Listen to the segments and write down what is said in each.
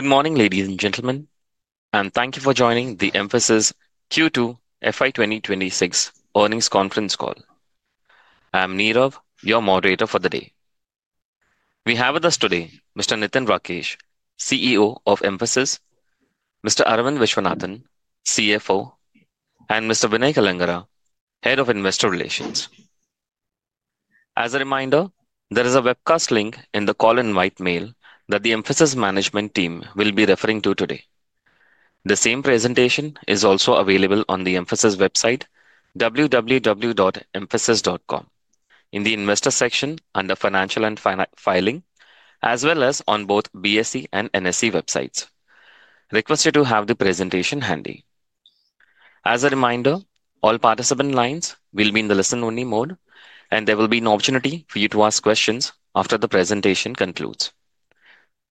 Good morning, ladies and gentlemen, and thank you for joining the Mphasis Q2 FY 2026 earnings conference call. I'm Nirav, your moderator for the day. We have with us today Mr. Nitin Rakesh, CEO of Mphasis; Mr. Aravind Viswanathan, CFO; and Mr. Vinay Kalangara, Head of Investor Relations. As a reminder, there is a webcast link in the call-in invite mail that the Mphasis management team will be referring to today. The same presentation is also available on the Mphasis website, www.mphasis.com, in the Investor section under Financial and Filing, as well as on both BSE and NSE websites. Requested to have the presentation handy. As a reminder, all participant lines will be in the listen-only mode, and there will be an opportunity for you to ask questions after the presentation concludes.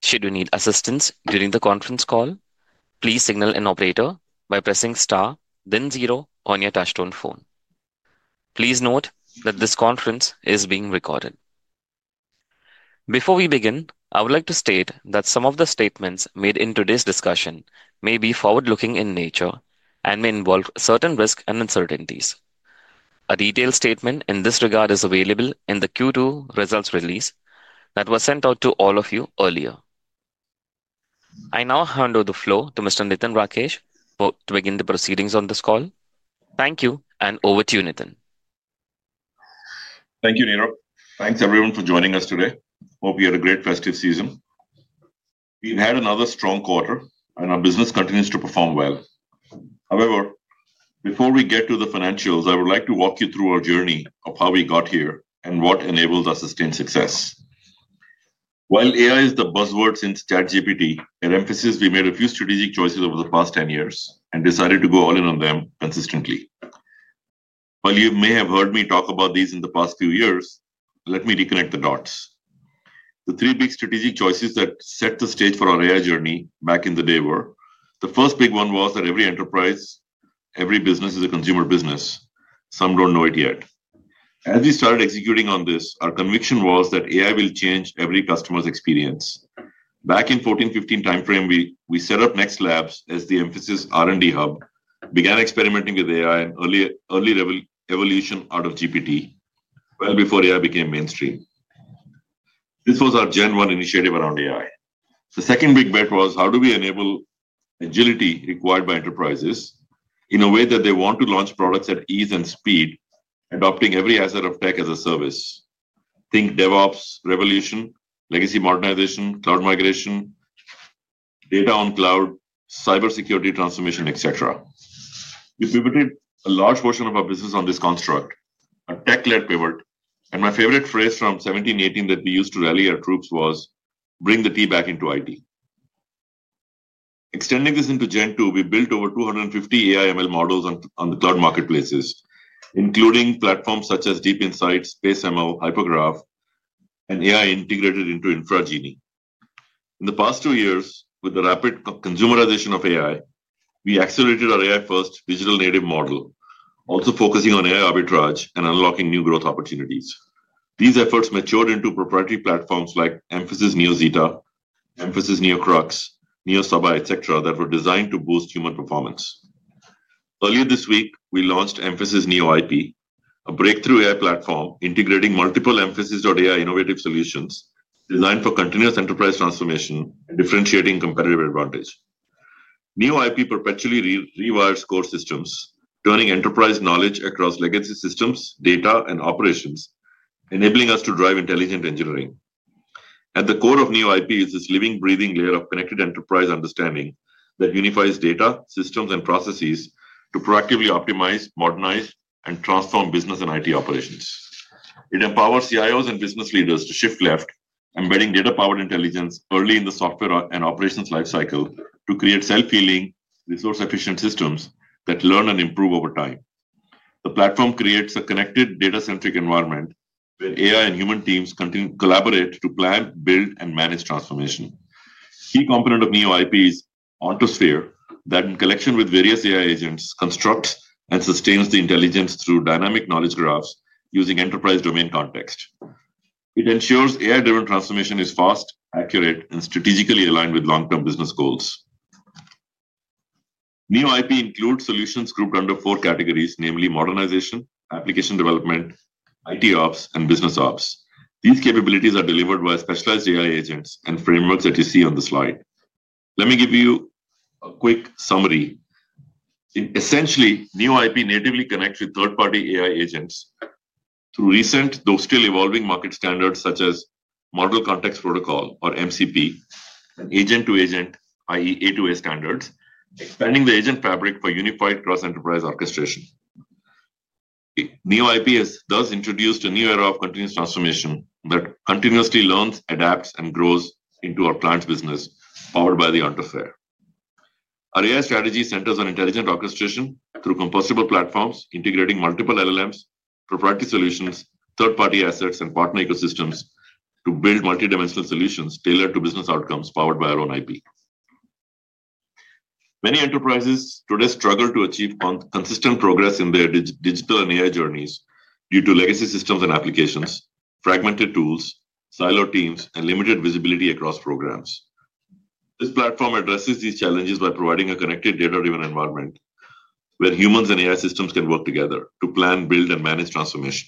Should you need assistance during the conference call, please signal an operator by pressing star, then zero on your touchstone phone. Please note that this conference is being recorded. Before we begin, I would like to state that some of the statements made in today's discussion may be forward-looking in nature and may involve certain risks and uncertainties. A detailed statement in this regard is available in the Q2 results release that was sent out to all of you earlier. I now hand over the floor to Mr. Nitin Rakesh to begin the proceedings on this call. Thank you, and over to you, Nitin. Thank you, Nirav. Thanks, everyone, for joining us today. Hope you had a great festive season. We've had another strong quarter, and our business continues to perform well. However, before we get to the financials, I would like to walk you through our journey of how we got here and what enabled us to sustain success. While AI is the buzzword since ChatGPT, at Mphasis, we made a few strategic choices over the past 10 years and decided to go all in on them consistently. While you may have heard me talk about these in the past few years, let me reconnect the dots. The three big strategic choices that set the stage for our AI journey back in the day were: the first big one was that every enterprise, every business is a consumer business. Some don't know it yet. As we started executing on this, our conviction was that AI will change every customer's experience. Back in the 2014-2015 time frame, we set up Next Labs as the Mphasis R&D hub, began experimenting with AI, and early evolution out of GPT, well before AI became mainstream. This was our Gen One initiative around AI. The second big bet was how do we enable agility required by enterprises in a way that they want to launch products at ease and speed, adopting every asset of tech as a service? Think DevOps revolution, legacy modernization, cloud migration, data on cloud, cybersecurity transformation, etc. We pivoted a large portion of our business on this construct, a tech-led pivot. My favorite phrase from 2017-2018 that we used to rally our troops was, "Bring the T back into IT." Extending this into Gen Two, we built over 250 AI/ML models on the cloud marketplaces, including platforms such as Deep Insights, SpaceML, Hypograph, and AI integrated into InfraGenie. In the past two years, with the rapid consumerization of AI, we accelerated our AI-first digital native model, also focusing on AI arbitrage and unlocking new growth opportunities. These efforts matured into proprietary platforms like Mphasis NeoZeta, Mphasis NeoCrux, NeoSaBa, etc., that were designed to boost human performance. Earlier this week, we launched Mphasis NeoIP, a breakthrough AI platform integrating multiple Mphasis.AI innovative solutions designed for continuous enterprise transformation and differentiating competitive advantage. NeoIP perpetually rewires core systems, turning enterprise knowledge across legacy systems, data, and operations, enabling us to drive intelligent engineering. At the core of NeoIP is this living, breathing layer of connected enterprise understanding that unifies data, systems, and processes to proactively optimize, modernize, and transform business and IT operations. It empowers CIOs and business leaders to shift left, embedding data-powered intelligence early in the software and operations lifecycle to create self-healing, resource-efficient systems that learn and improve over time. The platform creates a connected, data-centric environment where AI and human teams collaborate to plan, build, and manage transformation. A key component of NeoIP is Ontosphere that, in connection with various AI agents, constructs and sustains the intelligence through dynamic knowledge graphs using enterprise domain context. It ensures AI-driven transformation is fast, accurate, and strategically aligned with long-term business goals. NeoIP includes solutions grouped under four categories, namely modernization, application development, IT ops, and business ops. These capabilities are delivered by specialized AI agents and frameworks that you see on the slide. Let me give you a quick summary. Essentially, NeoIP natively connects with third-party AI agents through recent, though still evolving, market standards such as Model Context Protocol, or MCP, and agent-to-agent, i.e., A2A standards, expanding the agent fabric for unified cross-enterprise orchestration. NeoIP does introduce a new era of continuous transformation that continuously learns, adapts, and grows into our client's business powered by the Ontosphere. Our AI strategy centers on intelligent orchestration through composable platforms, integrating multiple LLMs, proprietary solutions, third-party assets, and partner ecosystems to build multi-dimensional solutions tailored to business outcomes powered by our own IP. Many enterprises today struggle to achieve consistent progress in their digital and AI journeys due to legacy systems and applications, fragmented tools, siloed teams, and limited visibility across programs. This platform addresses these challenges by providing a connected data-driven environment where humans and AI systems can work together to plan, build, and manage transformation.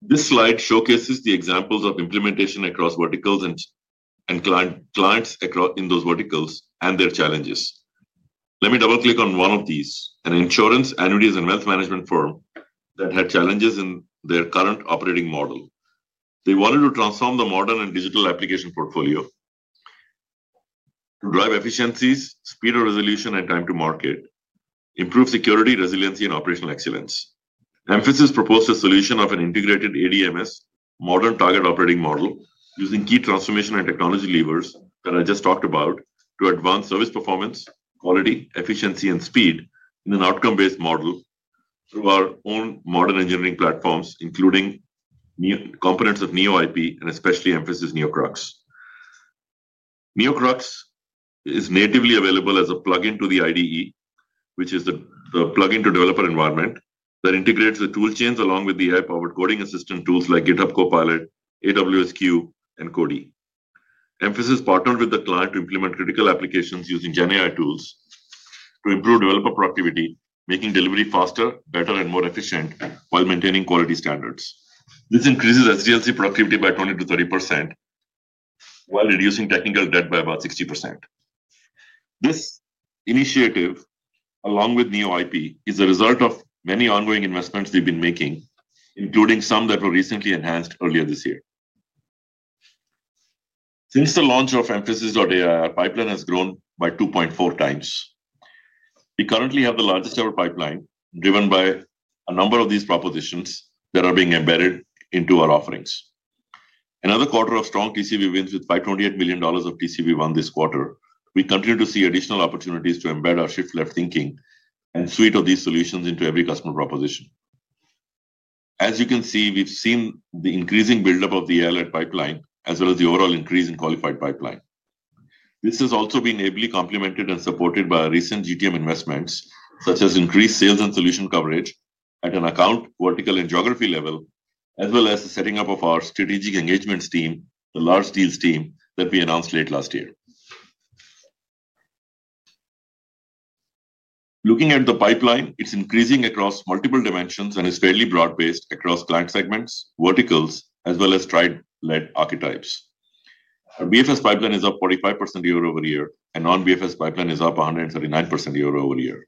This slide showcases the examples of implementation across verticals and clients in those verticals and their challenges. Let me double-click on one of these, an insurance, annuities, and wealth management firm that had challenges in their current operating model. They wanted to transform the modern and digital application portfolio to drive efficiencies, speed of resolution, and time to market, improve security, resiliency, and operational excellence. Mphasis proposed a solution of an integrated ADMS, modern target operating model, using key transformation and technology levers that I just talked about to advance service performance, quality, efficiency, and speed in an outcome-based model. Through our own modern engineering platforms, including components of NeoIP and especially NeoCrux. NeoCrux is natively available as a plug-in to the IDE, which is the plug-in to developer environment that integrates the tool chains along with the AI-powered coding assistant tools like GitHub Copilot, AWS Q, and Cody. Mphasis partnered with the client to implement critical applications using Gen AI tools to improve developer productivity, making delivery faster, better, and more efficient while maintaining quality standards. This increases SDLC productivity by 20%-30% while reducing technical debt by about 60%. This initiative, along with NeoIP, is a result of many ongoing investments we've been making, including some that were recently enhanced earlier this year. Since the launch of Mphasis.AI, our pipeline has grown by 2.4 times. We currently have the largest-ever pipeline driven by a number of these propositions that are being embedded into our offerings. Another quarter of strong TCV wins with $528 million of TCV won this quarter. We continue to see additional opportunities to embed our shift-left thinking and suite of these solutions into every customer proposition. As you can see, we've seen the increasing buildup of the AI-led pipeline as well as the overall increase in qualified pipeline. This has also been ably complemented and supported by recent GTM investments such as increased sales and solution coverage at an account, vertical, and geography level, as well as the setting up of our strategic engagements team, the large deals team that we announced late last year. Looking at the pipeline, it's increasing across multiple dimensions and is fairly broad-based across client segments, verticals, as well as tried-led archetypes. Our BFSI pipeline is up 45% year-over-year, and non-BFSI pipeline is up 139% year-over-year.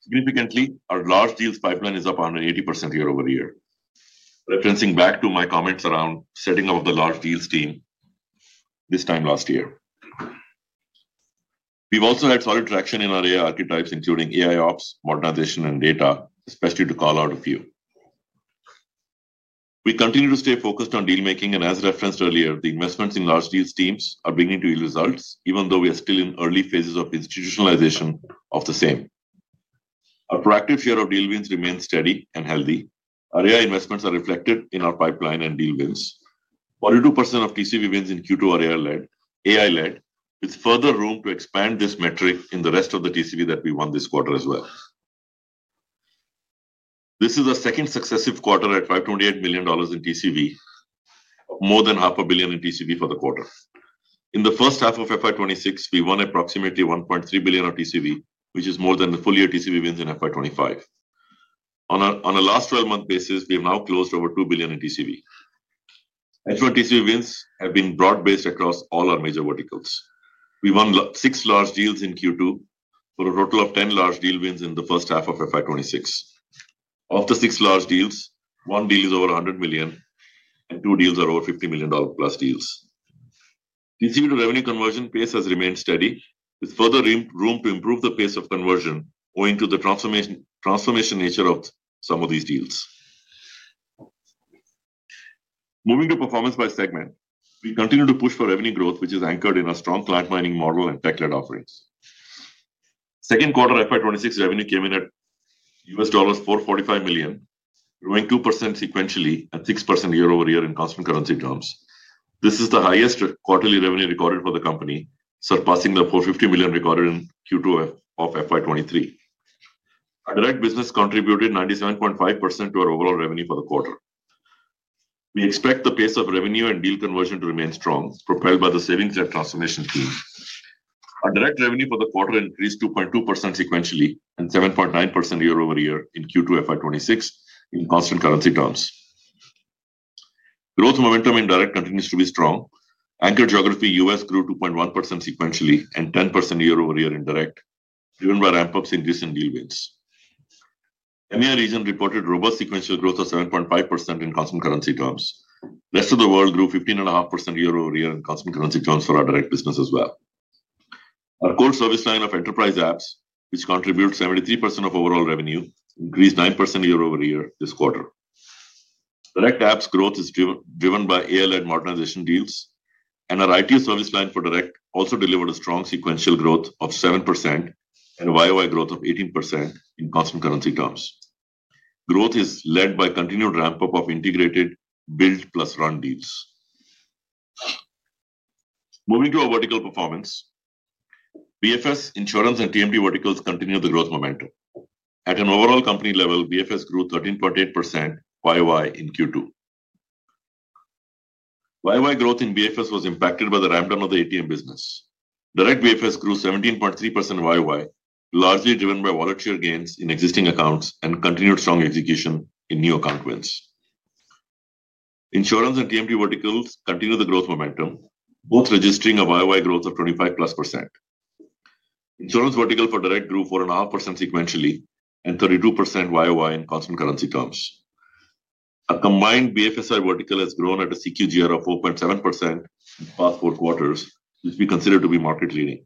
Significantly, our large deals pipeline is up 180% year-over-year, referencing back to my comments around setting up the large deals team this time last year. We've also had solid traction in our AI archetypes, including AI ops, modernization, and data, especially to call out a few. We continue to stay focused on deal-making, and as referenced earlier, the investments in large deals teams are bringing to you results, even though we are still in early phases of institutionalization of the same. Our proactive share of deal wins remains steady and healthy. Our AI investments are reflected in our pipeline and deal wins. 42% of TCV wins in Q2 are AI-led, with further room to expand this metric in the rest of the TCV that we won this quarter as well. This is the second successive quarter at $528 million in TCV, more than half a billion in TCV for the quarter. In the first half of FY26, we won approximately $1.3 billion of TCV, which is more than the full-year TCV wins in FY25. On a last 12-month basis, we have now closed over $2 billion in TCV. Excellent TCV wins have been broad-based across all our major verticals. We won six large deals in Q2 for a total of 10 large deal wins in the first half of FY26. Of the six large deals, one deal is over $100 million, and two deals are over $50 million-plus deals. TCV to revenue conversion pace has remained steady, with further room to improve the pace of conversion owing to the transformation nature of some of these deals. Moving to performance by segment, we continue to push for revenue growth, which is anchored in our strong client-minding model and tech-led offerings. Second quarter FY2026 revenue came in at $445 million, growing 2% sequentially and 6% year-over-year in constant currency terms. This is the highest quarterly revenue recorded for the company, surpassing the $450 million recorded in Q2 of FY2023. Our direct business contributed 97.5% to our overall revenue for the quarter. We expect the pace of revenue and deal conversion to remain strong, propelled by the savings and transformation team. Our direct revenue for the quarter increased 2.2% sequentially and 7.9% year-over-year in Q2 FY26 in constant currency terms. Growth momentum in direct continues to be strong. Anchor geography U.S. grew 2.1% sequentially and 10% year-over-year in direct, driven by ramp-ups in recent deal wins. Anyway, region reported robust sequential growth of 7.5% in constant currency terms. Rest of the world grew 15.5% year-over-year in constant currency terms for our direct business as well. Our core service line of enterprise apps, which contributes 73% of overall revenue, increased 9% year-over-year this quarter. Direct apps growth is driven by AI-led modernization deals, and our IT service line for direct also delivered a strong sequential growth of 7% and YoY growth of 18% in constant currency terms. Growth is led by continued ramp-up of integrated build plus run deals. Moving to our vertical performance, BFS, insurance, and TMD verticals continue the growth momentum. At an overall company level, BFS grew 13.8% YoY in Q2. YoY growth in BFS was impacted by the ramp-down of the ATM business. Direct BFS grew 17.3% YoY, largely driven by wallet share gains in existing accounts and continued strong execution in new account wins. Insurance and TMD verticals continue the growth momentum, both registering a YoY growth of 25% plus. Insurance vertical for direct grew 4.5% sequentially and 32% YoY in constant currency terms. A combined BFSI vertical has grown at a CQGR of 4.7% in the past four quarters, which we consider to be market-leading.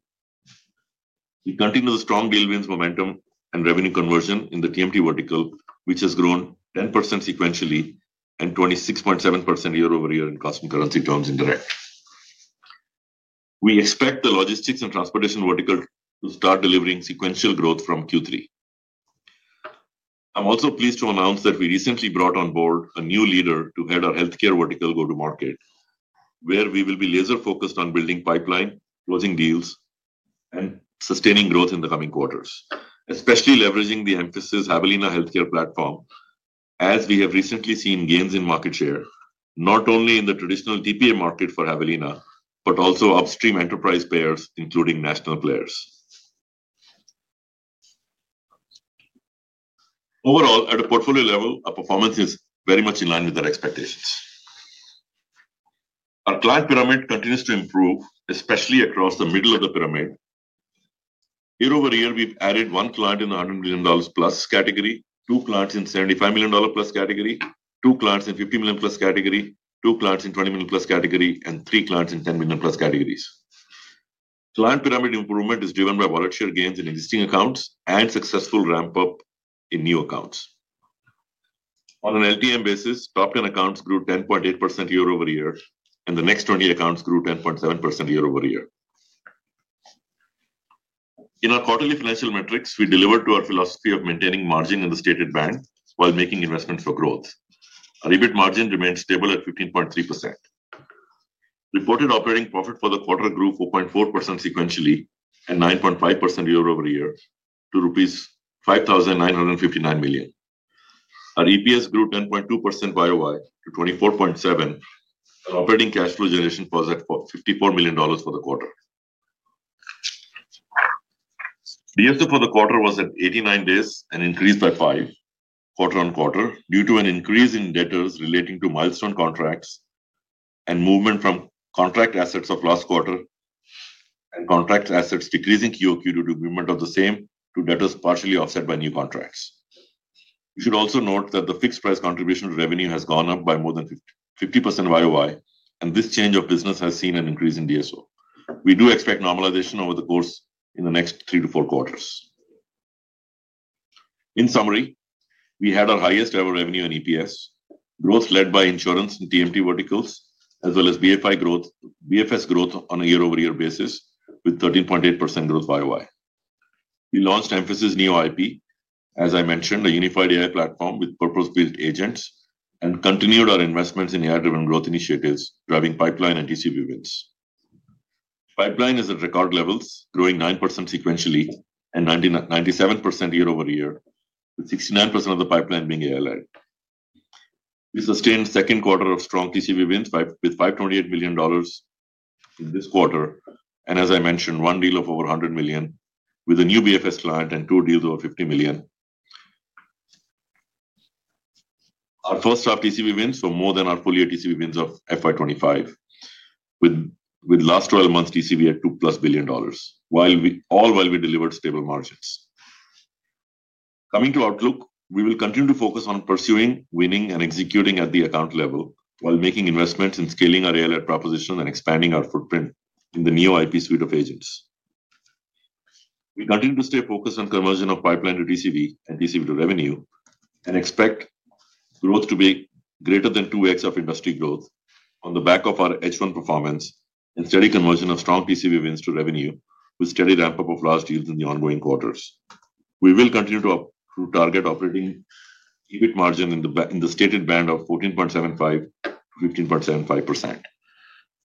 We continue the strong deal wins momentum and revenue conversion in the TMD vertical, which has grown 10% sequentially and 26.7% year-over-year in constant currency terms in direct. We expect the logistics and transportation vertical to start delivering sequential growth from Q3. I'm also pleased to announce that we recently brought on board a new leader to head our healthcare vertical go-to-market, where we will be laser-focused on building pipeline, closing deals, and sustaining growth in the coming quarters, especially leveraging the Mphasis Javelina healthcare platform. As we have recently seen gains in market share, not only in the traditional TPA market for Javelina, but also upstream enterprise payers, including national players. Overall, at a portfolio level, our performance is very much in line with our expectations. Our client pyramid continues to improve, especially across the middle of the pyramid. Year over year, we've added one client in the $100 million-plus category, two clients in the $75 million-plus category, two clients in the $50 million-plus category, two clients in the $20 million-plus category, and three clients in the $10 million-plus categories. Client pyramid improvement is driven by wallet share gains in existing accounts and successful ramp-up in new accounts. On an LTM basis, top 10 accounts grew 10.8% year-over-year, and the next 20 accounts grew 10.7% year-over-year. In our quarterly financial metrics, we delivered to our philosophy of maintaining margin in the stated band while making investments for growth. Our EBIT margin remained stable at 15.3%. Reported operating profit for the quarter grew 4.4% sequentially and 9.5% year-over-year to $5,959 million. Our EPS grew 10.2% YoY to 24.7. Operating cash flow generation was at $54 million for the quarter. BFS for the quarter was at 89 days and increased by 5 quarter-on-quarter due to an increase in debtors relating to milestone contracts and movement from contract assets of last quarter. Contract assets decreased QoQ due to movement of the same to debtors, partially offset by new contracts. You should also note that the fixed price contribution to revenue has gone up by more than 50% YoY, and this change of business has seen an increase in DSO. We do expect normalization over the course in the next three to four quarters. In summary, we had our highest-ever revenue in EPS, growth led by insurance and TMD verticals, as well as BFS growth on a year-over-year basis with 13.8% growth YoY. We launched Mphasis NeoIP, as I mentioned, a unified AI platform with purpose-built agents, and continued our investments in AI-driven growth initiatives, driving pipeline and TCV wins. Pipeline is at record levels, growing 9% sequentially and 97% year-over-year, with 69% of the pipeline being AI-led. We sustained second quarter of strong TCV wins with $528 million in this quarter, and as I mentioned, one deal of over $100 million with a new BFS client and two deals over $50 million. Our first-half TCV wins were more than our full-year TCV wins of FY2025. With last 12 months' TCV at $2 plus billion, all while we delivered stable margins. Coming to outlook, we will continue to focus on pursuing, winning, and executing at the account level while making investments in scaling our AI-led proposition and expanding our footprint in the NeoIP suite of agents. We continue to stay focused on conversion of pipeline to TCV and TCV to revenue and expect growth to be greater than 2x of industry growth on the back of our H1 performance and steady conversion of strong TCV wins to revenue with steady ramp-up of large deals in the ongoing quarters. We will continue to target operating EBIT margin in the stated band of 14.75%-15.75%.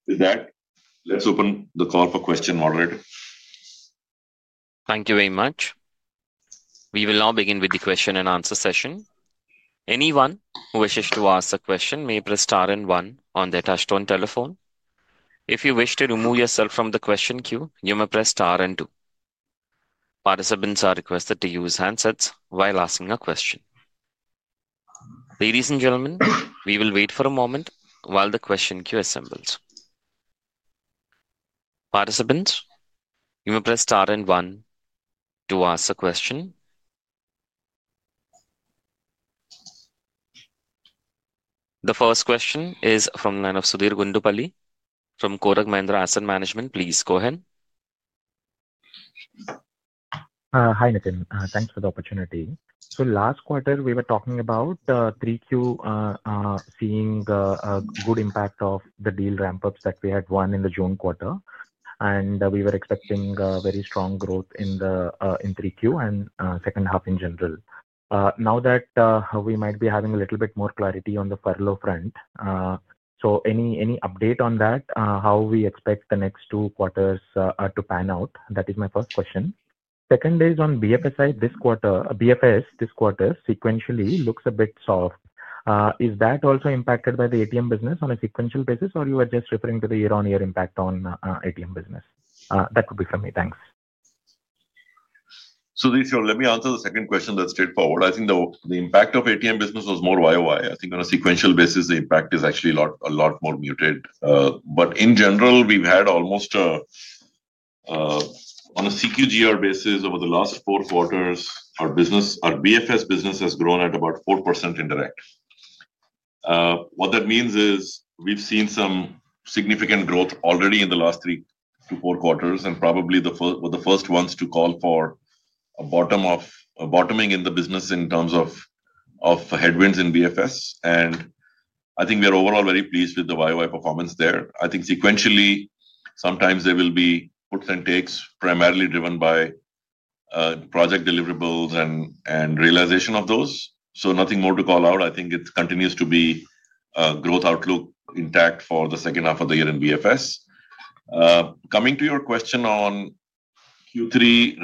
With that, let's open the call for questions, moderator. Thank you very much. We will now begin with the question and answer session. Anyone who wishes to ask a question may press star and one on their touch-tone telephone. If you wish to remove yourself from the question queue, you may press star and two. Participants are requested to use handsets while asking a question. Ladies and gentlemen, we will wait for a moment while the question queue assembles. Participants, you may press star and one to ask a question. The first question is from the line of Sudheer Guntupalli from Kotak Mahindra Asset Management. Please go ahead. Hi, Nitin. Thanks for the opportunity. Last quarter, we were talking about 3Q, seeing a good impact of the deal ramp-ups that we had won in the June quarter, and we were expecting very strong growth in 3Q and second half in general. Now that we might be having a little bit more clarity on the furlough front, any update on that, how we expect the next two quarters to pan out? That is my first question. Second is on BFSI this quarter. BFS this quarter sequentially looks a bit soft. Is that also impacted by the ATM business on a sequential basis, or are you just referring to the year-on-year impact on ATM business? That would be from me. Thanks. Sudheer, let me answer the second question, that's straightforward. I think the impact of ATM business was more year-on-year. I think on a sequential basis, the impact is actually a lot more muted. In general, we've had almost, on a CQGR basis over the last four quarters, our BFS business has grown at about 4% indirect. What that means is we've seen some significant growth already in the last three to four quarters, and probably the first ones to call for a bottoming in the business in terms of headwinds in BFS. I think we are overall very pleased with the year-on-year performance there. Sequentially, sometimes there will be puts and takes primarily driven by project deliverables and realization of those. Nothing more to call out. I think it continues to be a growth outlook intact for the second half of the year in BFS. Coming to your question on Q3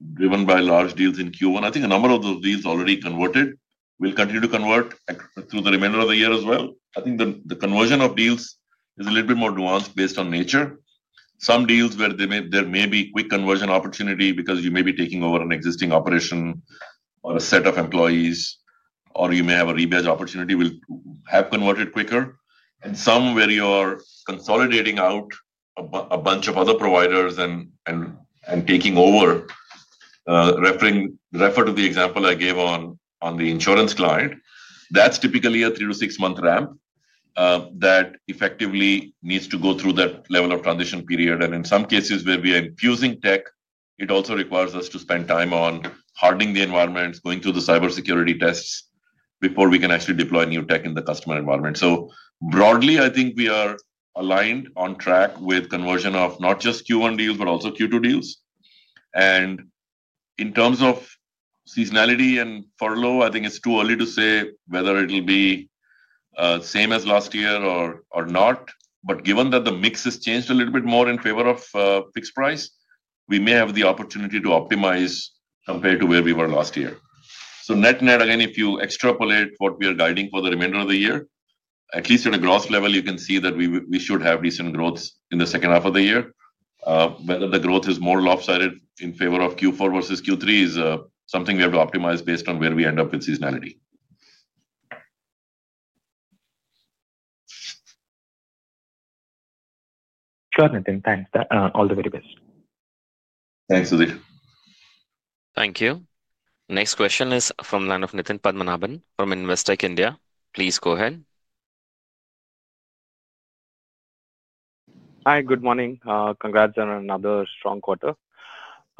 ramp-ups driven by large deals in Q1, a number of those deals already converted. We'll continue to convert through the remainder of the year as well. The conversion of deals is a little bit more nuanced based on nature. Some deals where there may be quick conversion opportunity because you may be taking over an existing operation or a set of employees, or you may have a rebadge opportunity, will have converted quicker, and some where you are consolidating out. A bunch of other providers. Taking over. Refer to the example I gave on the insurance client. That's typically a three to six-month ramp. That effectively needs to go through that level of transition period. In some cases where we are infusing tech, it also requires us to spend time on hardening the environments, going through the cybersecurity tests before we can actually deploy new tech in the customer environment. Broadly, I think we are aligned on track with conversion of not just Q1 deals, but also Q2 deals. In terms of seasonality and furlough, I think it's too early to say whether it'll be the same as last year or not. Given that the mix has changed a little bit more in favor of fixed price, we may have the opportunity to optimize compared to where we were last year. Net net, again, if you extrapolate what we are guiding for the remainder of the year, at least at a gross level, you can see that we should have decent growth in the second half of the year. Whether the growth is more lopsided in favor of Q4 versus Q3 is something we have to optimize based on where we end up with seasonality. Sure, Nitin. Thanks. All the very best. Thanks, Sudheer. Thank you. Next question is from the line of Nitin Padmanabhan from Investec India. Please go ahead. Hi, good morning. Congrats on another strong quarter.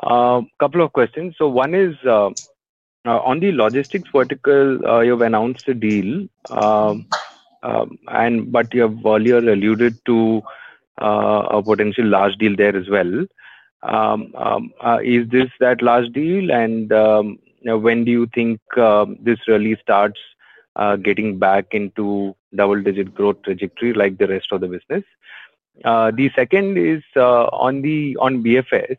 A couple of questions. One is on the logistics vertical, you have announced a deal. You have earlier alluded to a potential large deal there as well. Is this that large deal? When do you think this really starts getting back into double-digit growth trajectory like the rest of the business? The second is on BFS.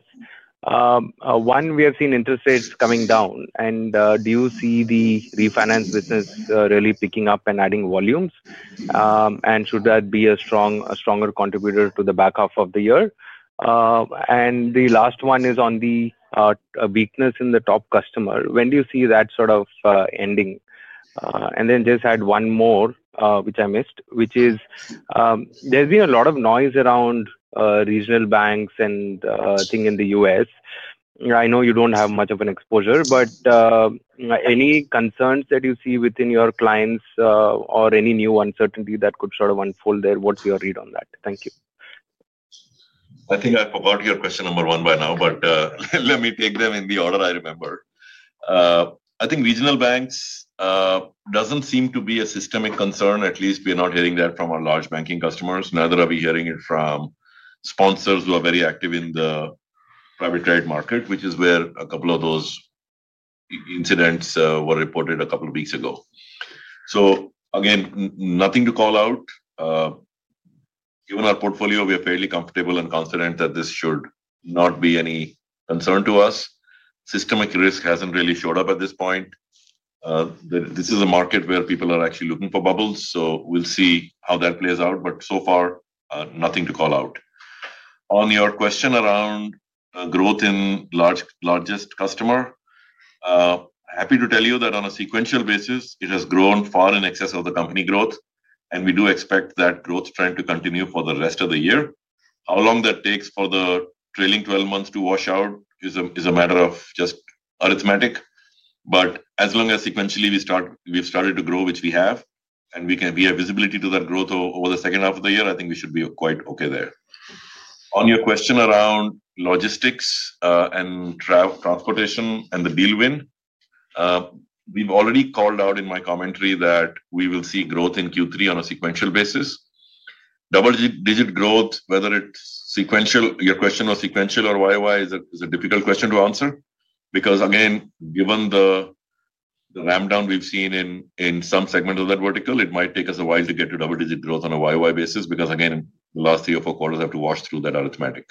One, we have seen interest rates coming down. Do you see the refinance business really picking up and adding volumes? Should that be a stronger contributor to the back half of the year? The last one is on the weakness in the top customer. When do you see that sort of ending? Just to add one more, which I missed, there's been a lot of noise around regional banks and things in the U.S. I know you don't have much of an exposure, but any concerns that you see within your clients or any new uncertainty that could sort of unfold there? What's your read on that? Thank you. I think I've forgot your question number one by now, but let me take them in the order I remember. I think regional banks doesn't seem to be a systemic concern. At least we are not hearing that from our large banking customers. Neither are we hearing it from sponsors who are very active in the private credit market, which is where a couple of those incidents were reported a couple of weeks ago. Nothing to call out. Given our portfolio, we are fairly comfortable and confident that this should not be any concern to us. Systemic risk hasn't really showed up at this point. This is a market where people are actually looking for bubbles. We'll see how that plays out. So far, nothing to call out. On your question around growth in largest customer, happy to tell you that on a sequential basis, it has grown far in excess of the company growth. We do expect that growth trend to continue for the rest of the year. How long that takes for the trailing 12 months to wash out is a matter of just arithmetic. As long as sequentially we've started to grow, which we have, and we have visibility to that growth over the second half of the year, I think we should be quite okay there. On your question around logistics and transportation and the deal win, we've already called out in my commentary that we will see growth in Q3 on a sequential basis. Double-digit growth, whether it's your question of sequential or YoY, is a difficult question to answer. Given the ramp-down we've seen in some segment of that vertical, it might take us a while to get to double-digit growth on a YoY basis because the last three or four quarters have to wash through that arithmetic.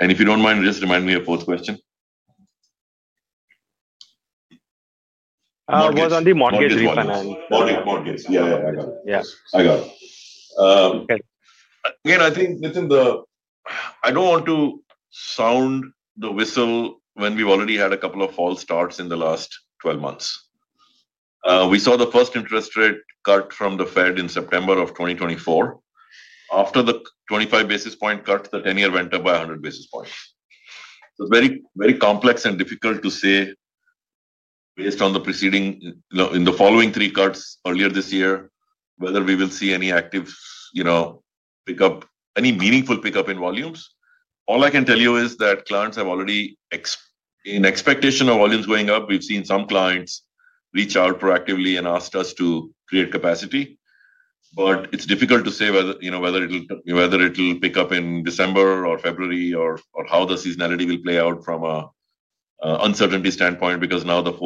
If you don't mind, just remind me of both questions. What was on the mortgage refinance? Mortgage. Mortgage. Yeah, yeah. I got it. I got it. I think Nitin, I don't want to sound the whistle when we've already had a couple of false starts in the last 12 months. We saw the first interest rate cut from the Fed in September of 2024. After the 25 bps cut, the 10-year went up by 100 bps. It's very complex and difficult to say. Based on the preceding and the following three cuts earlier this year, whether we will see any active pickup, any meaningful pickup in volumes. All I can tell you is that clients have already, in expectation of volumes going up, we've seen some clients reach out proactively and asked us to create capacity. It's difficult to say whether it'll pick up in December or February or how the seasonality will play out from an uncertainty standpoint because now the.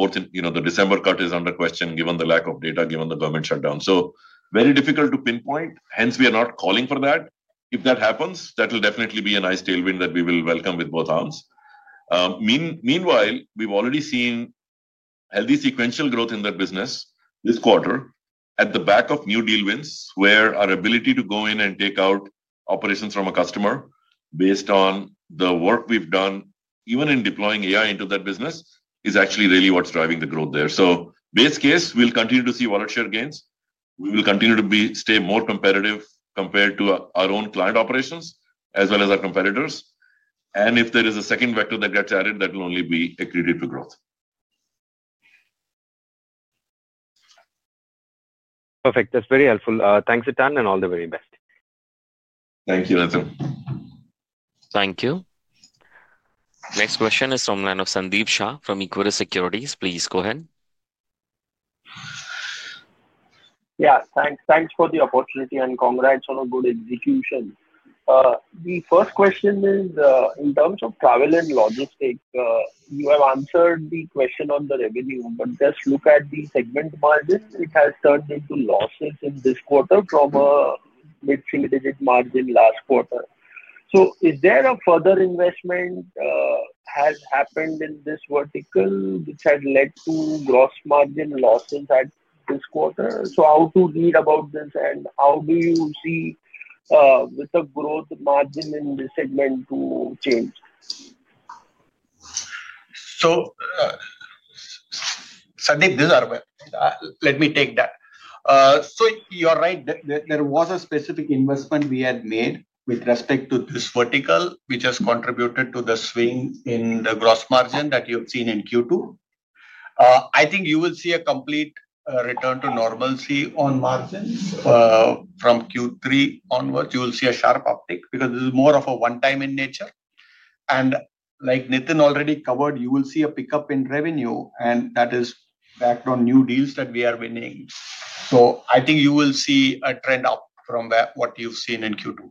December cut is under question given the lack of data, given the government shutdown. It is very difficult to pinpoint. Hence, we are not calling for that. If that happens, that will definitely be a nice tailwind that we will welcome with both arms. Meanwhile, we've already seen healthy sequential growth in that business this quarter at the back of new deal wins where our ability to go in and take out operations from a customer based on the work we've done, even in deploying AI into that business, is actually really what's driving the growth there. Base case, we'll continue to see wallet share gains. We will continue to stay more competitive compared to our own client operations as well as our competitors. If there is a second vector that gets added, that will only be a critical growth. Perfect. That's very helpful. Thanks, Nitin, and all the very best. Thank you, Nitin. Thank you. Next question is from the line of Sandeep Shah from Equirus Securities. Please go ahead. Yeah. Thanks for the opportunity and congrats on a good execution. The first question is, in terms of travel and logistics, you have answered the question on the revenue, but just look at the segment margin. It has turned into losses in this quarter from a mid-single digit margin last quarter. Is there a further investment that has happened in this vertical which has led to gross margin losses this quarter? How to read about this and how do you see the gross margin in this segment to change? Sandeep, this is Aravind. Let me take that. You're right. There was a specific investment we had made with respect to this vertical which has contributed to the swing in the gross margin that you have seen in Q2. I think you will see a complete return to normalcy on margins from Q3 onwards. You will see a sharp uptick because this is more of a one-time in nature. Like Nitin already covered, you will see a pickup in revenue, and that is backed on new deals that we are winning. I think you will see a trend up from what you've seen in Q2.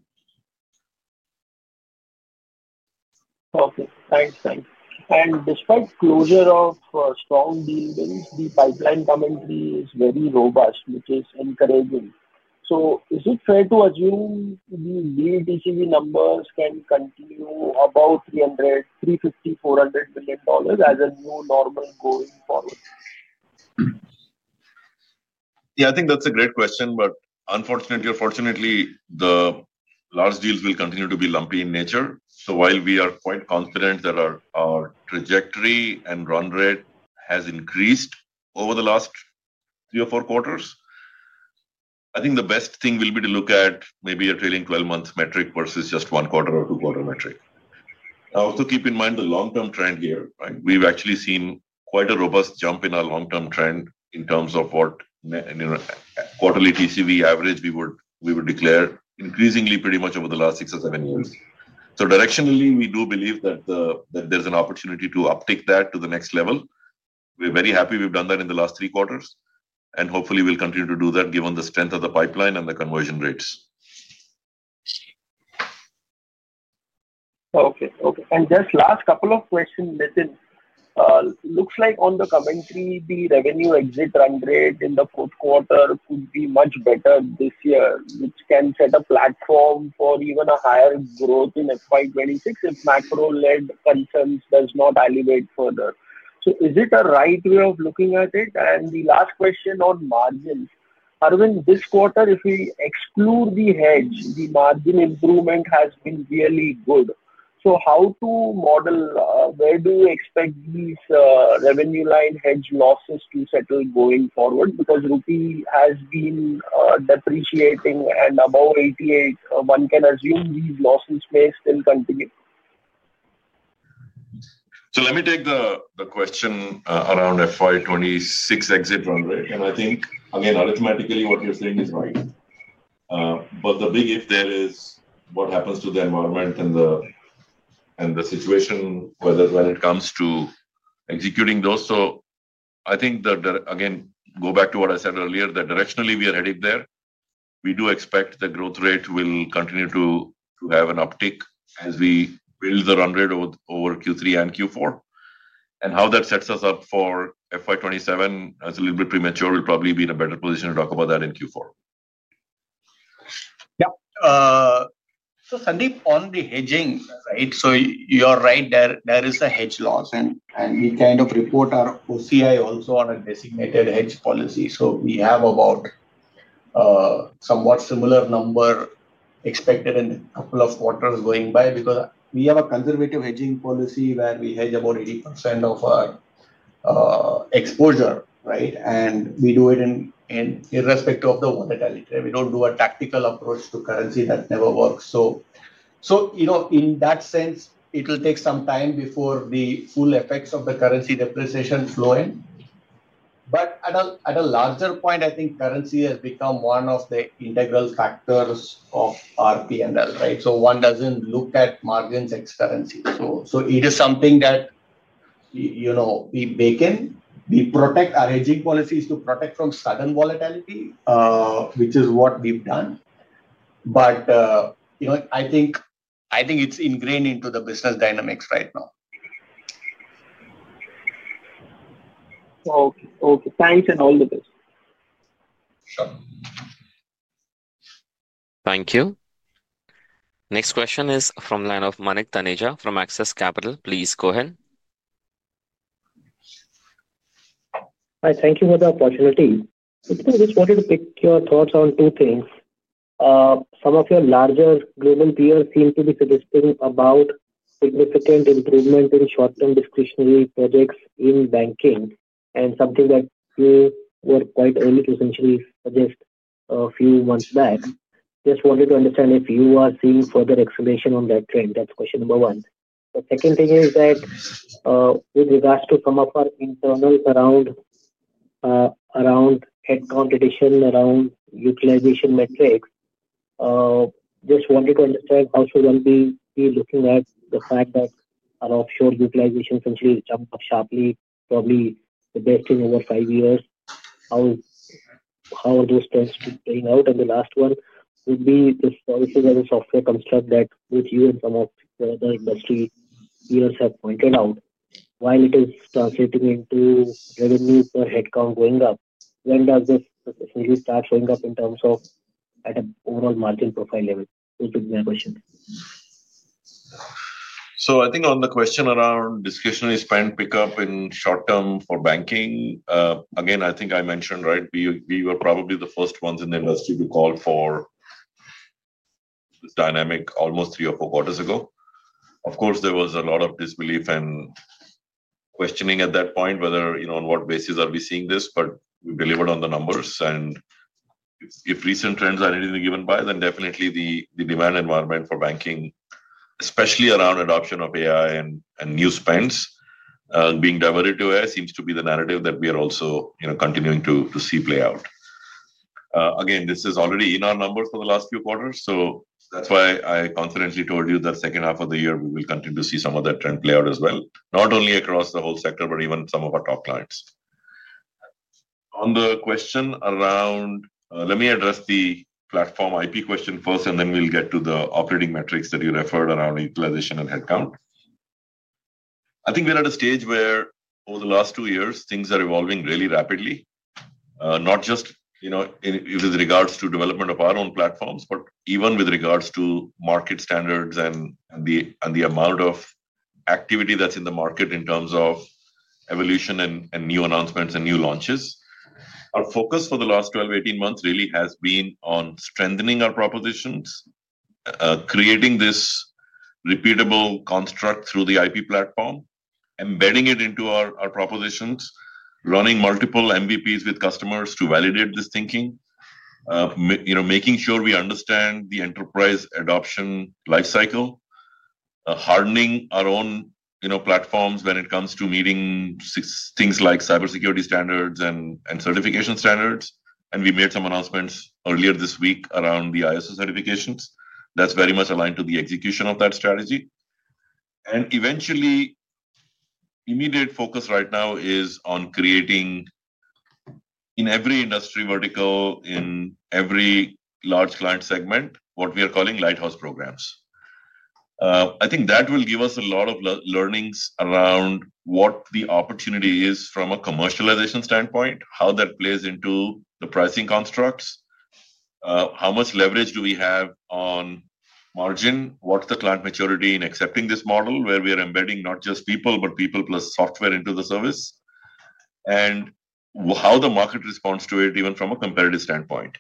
Perfect. Thanks. Thanks. Despite closure of strong deal wins, the pipeline commentary is very robust, which is encouraging. Is it fair to assume the new TCV numbers can continue above $350 million, $400 million as a new normal going forward? I think that's a great question, but unfortunately or fortunately, the large deals will continue to be lumpy in nature. So while we are quite confident that our trajectory and run rate has increased over the last three or four quarters, I think the best thing will be to look at maybe a trailing 12-month metric versus just one-quarter or two-quarter metric. Also, keep in mind the long-term trend here, right? We've actually seen quite a robust jump in our long-term trend in terms of what a quarterly TCV average we would declare increasingly pretty much over the last six or seven years. Directionally, we do believe that there's an opportunity to uptick that to the next level. We're very happy we've done that in the last three quarters and hopefully, we'll continue to do that given the strength of the pipeline and the conversion rates. Okay. And just last couple of questions, Nitin. Looks like on the commentary, the revenue exit run rate in the fourth quarter could be much better this year, which can set a platform for even a higher growth in FY2026 if macro-led concerns do not elevate further. Is it a right way of looking at it? The last question on margins. Aravind, this quarter, if we exclude the hedge, the margin improvement has been really good. How to model? Where do we expect these revenue line hedge losses to settle going forward? Because Rupee has been depreciating and above 88, one can assume these losses may still continue. Let me take the question around FY2026 exit run rate. I think, again, arithmetically, what you're saying is right. The big if there is what happens to the environment and the situation when it comes to executing those. I think, again, go back to what I said earlier, that directionally we are heading there. We do expect the growth rate will continue to have an uptick as we build the run rate over Q3 and Q4. How that sets us up for FY2027, that's a little bit premature. We'll probably be in a better position to talk about that in Q4. Yeah. Sandeep, on the hedging, right? You're right. There is a hedge loss, and we kind of report our OCI also on a designated hedge policy. We have about a somewhat similar number expected in a couple of quarters going by because we have a conservative hedging policy where we hedge about 80% of our exposure, right? We do it irrespective of the volatility. We don't do a tactical approach to currency; that never works. In that sense, it will take some time before the full effects of the currency depreciation flow in. At a larger point, I think currency has become one of the integral factors of our P&L, right? One doesn't look at margins ex currency. It is something that we bake in. We protect our hedging policies to protect from sudden volatility, which is what we've done. I think it's ingrained into the business dynamics right now. Okay. Thanks and all the best. Sure. Thank you. Next question is from the line of Manik Taneja from Axis Capital. Please go ahead. Hi. Thank you for the opportunity. I just wanted to pick your thoughts on two things. Some of your larger global peers seem to be suggesting about significant improvement in short-term discretionary projects in banking and something that you were quite early to essentially suggest a few months back. Just wanted to understand if you are seeing further acceleration on that trend. That's question number one. The second thing is that with regards to some of our internals around headcount addition, around utilization metrics, just wanted to understand how should one be looking at the fact that our offshore utilization essentially jumped up sharply, probably the best in over five years. How are those trends playing out? The last one would be the services as a software construct that both you and some of the other industry peers have pointed out. While it is translating into revenue per headcount going up, when does this essentially start showing up in terms of, at an overall margin profile level? Those would be my questions. I think on the question around discretionary spend pickup in short-term for banking, again, I think I mentioned, right, we were probably the first ones in the industry to call for this dynamic almost three or four quarters ago. Of course, there was a lot of disbelief and questioning at that point whether on what basis are we seeing this, but we delivered on the numbers. If recent trends are anything given by, then definitely the demand environment for banking, especially around adoption of AI and new spends being diverted to AI, seems to be the narrative that we are also continuing to see play out. This is already in our numbers for the last few quarters. That's why I confidently told you that second half of the year, we will continue to see some of that trend play out as well, not only across the whole sector, but even some of our top clients. On the question around. Let me address the platform IP question first, and then we'll get to the operating metrics that you referred around utilization and headcount. I think we're at a stage where over the last two years, things are evolving really rapidly, not just with regards to development of our own platforms, but even with regards to market standards and the amount of activity that's in the market in terms of evolution and new announcements and new launches. Our focus for the last 12, 18 months really has been on strengthening our propositions, creating this repeatable construct through the IP platform, embedding it into our propositions, running multiple MVPs with customers to validate this thinking, making sure we understand the enterprise adoption lifecycle, hardening our own platforms when it comes to meeting things like cybersecurity standards and certification standards. We made some announcements earlier this week around the ISO certifications. That's very much aligned to the execution of that strategy. Immediate focus right now is on creating, in every industry vertical, in every large client segment, what we are calling lighthouse programs. I think that will give us a lot of learnings around what the opportunity is from a commercialization standpoint, how that plays into the pricing constructs, how much leverage do we have on margin, what's the client maturity in accepting this model where we are embedding not just people, but people plus software into the service, and how the market responds to it even from a competitive standpoint.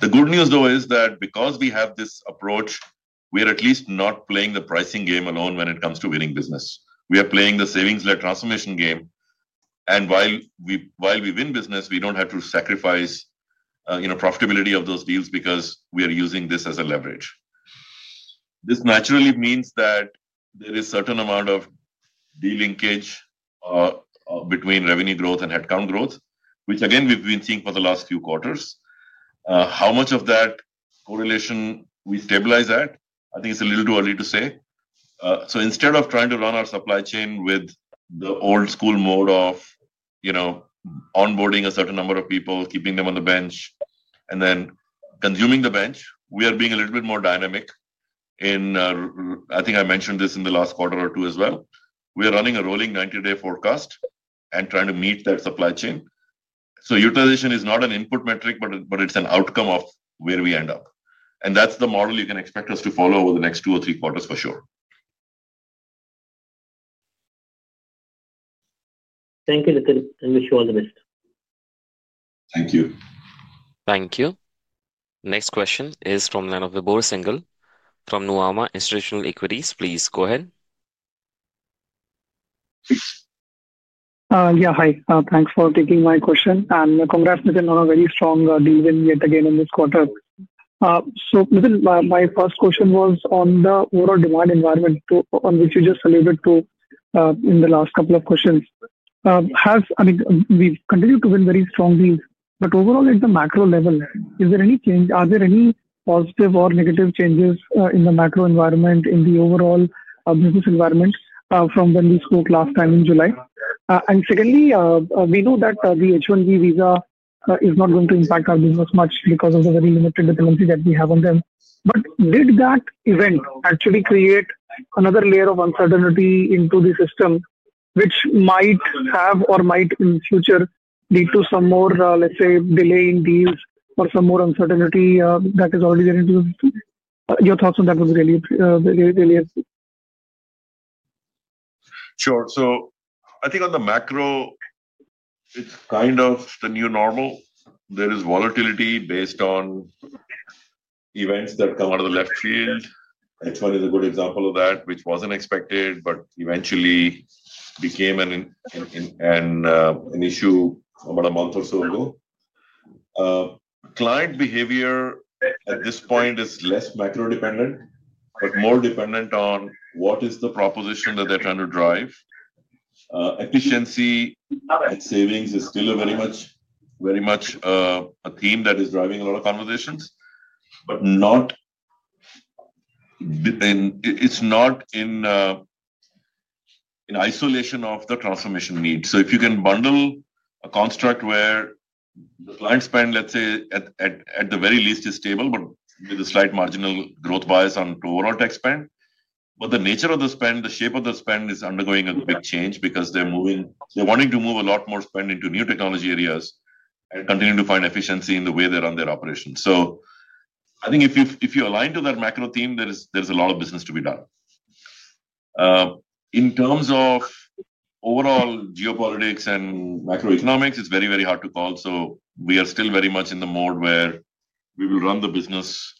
The good news, though, is that because we have this approach, we are at least not playing the pricing game alone when it comes to winning business. We are playing the savings-led transformation game. While we win business, we don't have to sacrifice profitability of those deals because we are using this as a leverage. This naturally means that there is a certain amount of deal linkage between revenue growth and headcount growth, which, again, we've been seeing for the last few quarters. How much of that correlation we stabilize at, I think it's a little too early to say. Instead of trying to run our supply chain with the old-school mode of onboarding a certain number of people, keeping them on the bench, and then consuming the bench, we are being a little bit more dynamic. I think I mentioned this in the last quarter or two as well. We are running a rolling 90-day forecast and trying to meet that supply chain. Utilization is not an input metric, but it's an outcome of where we end up. That's the model you can expect us to follow over the next two or three quarters for sure. Thank you, Nitin. Thank you for all the best. Thank you. Thank you. Next question is from the line of Vibhor Singhal from Nuvama Institutional Equities. Please go ahead. Yeah. Hi. Thanks for taking my question. Congrats, Nitin, on a very strong deal win yet again in this quarter. Nitin, my first question was on the overall demand environment, which you just alluded to in the last couple of questions. We've continued to win very strongly, but overall, at the macro level, is there any change? Are there any positive or negative changes in the macro environment, in the overall business environment from when we spoke last time in July? Secondly, we know that the H-1B visa is not going to impact our business much because of the very limited dependency that we have on them. Did that event actually create another layer of uncertainty into the system, which might have or might in the future lead to some more, let's say, delay in deals or some more uncertainty that has already been introduced? Your thoughts on that would be really. Sure. I think on the macro, it's kind of the new normal. There is volatility based on events that come out of the left field. H1 is a good example of that, which wasn't expected but eventually became an issue about a month or so ago. Client behavior at this point is less macro-dependent but more dependent on what is the proposition that they're trying to drive. Efficiency and savings is still very much a theme that is driving a lot of conversations. It's not in isolation of the transformation need. If you can bundle a construct where the client spend, let's say, at the very least, is stable but with a slight marginal growth bias on overall tech spend, the nature of the spend, the shape of the spend is undergoing a big change because they're wanting to move a lot more spend into new technology areas and continue to find efficiency in the way they run their operations. I think if you align to that macro theme, there's a lot of business to be done. In terms of overall geopolitics and macroeconomics, it's very, very hard to call. We are still very much in the mode where we will run the business.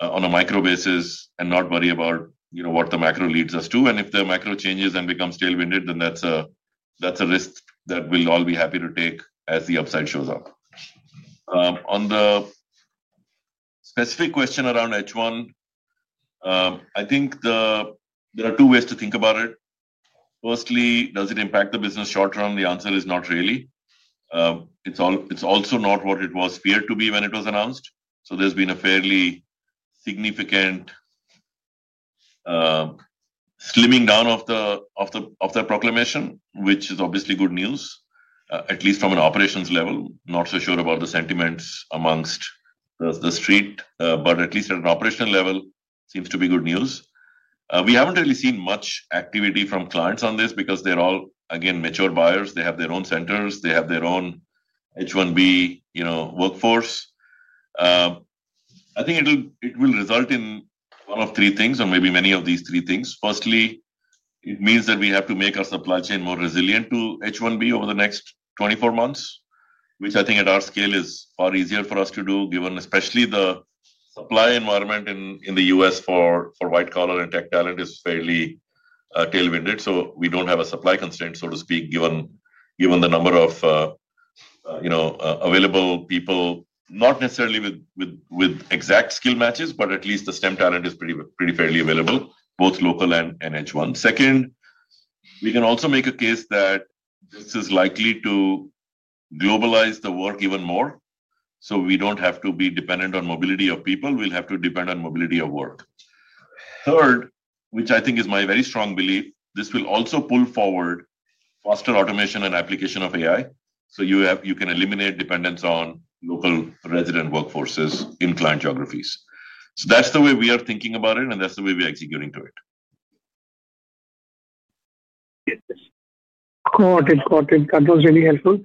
On a micro basis and not worry about what the macro leads us to. If the macro changes and becomes tailwinded, then that's a risk that we'll all be happy to take as the upside shows up. On the specific question around H1, I think there are two ways to think about it. Firstly, does it impact the business short term? The answer is not really. It's also not what it was feared to be when it was announced. There's been a fairly significant slimming down of that proclamation, which is obviously good news, at least from an operations level. Not so sure about the sentiments amongst the street, but at least at an operational level, seems to be good news. We haven't really seen much activity from clients on this because they're all, again, mature buyers. They have their own centers. They have their own H-1B workforce. I think it will result in one of three things or maybe many of these three things. Firstly, it means that we have to make our supply chain more resilient to H-1B over the next 24 months, which I think at our scale is far easier for us to do, given especially the supply environment in the U.S. for white-collar and tech talent is fairly tailwinded. We don't have a supply constraint, so to speak, given the number of available people, not necessarily with exact skill matches, but at least the STEM talent is pretty fairly available, both local and H1. Second, we can also make a case that this is likely to globalize the work even more. We don't have to be dependent on mobility of people. We'll have to depend on mobility of work. Third, which I think is my very strong belief, this will also pull forward faster automation and application of AI. You can eliminate dependence on local resident workforces in client geographies. That's the way we are thinking about it, and that's the way we are executing to it. Got it. Got it. That was really helpful.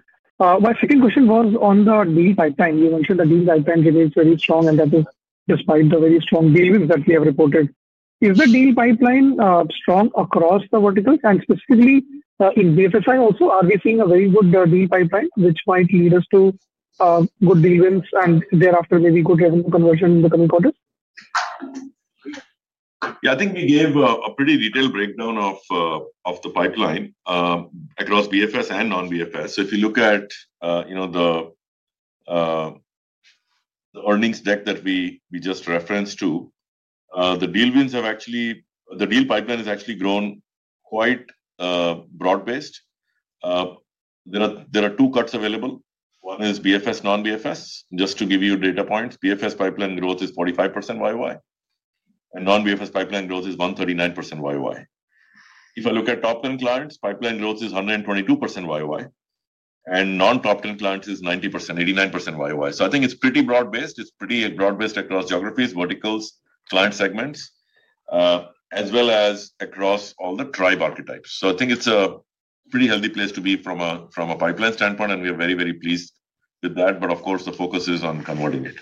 My second question was on the deal pipeline. You mentioned the deal pipeline remains very strong, and that is despite the very strong deal wins that we have reported. Is the deal pipeline strong across the verticals? Specifically, in BFSI also, are we seeing a very good deal pipeline, which might lead us to good deal wins and thereafter maybe good revenue conversion in the coming quarters? Yeah. I think we gave a pretty detailed breakdown of the pipeline across BFS and non-BFS. If you look at the earnings deck that we just referenced to. The deal wins have actually, the deal pipeline has actually grown quite broad-based. There are two cuts available. One is BFS, non-BFS. Just to give you data points, BFS pipeline growth is 45% YoY, and non-BFS pipeline growth is 139% YoY. If I look at top-end clients, pipeline growth is 122% YoY, and non-top-end clients is 89% YoY. I think it's pretty broad-based. It's pretty broad-based across geographies, verticals, client segments, as well as across all the tribe archetypes. I think it's a pretty healthy place to be from a pipeline standpoint, and we are very, very pleased with that. Of course, the focus is on converting it.